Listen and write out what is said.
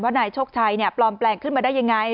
ว่านายโชคชัยเนี่ยปลอมแปลงขึ้นมาได้ยังไง